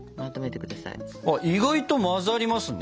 あっ意外と混ざりますね。